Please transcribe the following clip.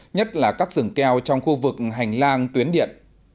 nhất là các rừng keo trong khu vực hành lang tuyến điện